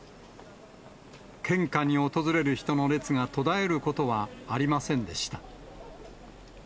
献花に訪れる人の列が途絶えることはありませんでした。